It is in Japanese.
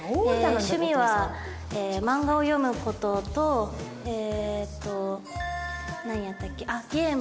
趣味は漫画を読む事とえっとなんやったっけあっ